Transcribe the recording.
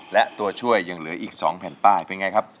และตัวช่วยยังเหลืออีก๒แผ่นป้ายเป็นไงครับ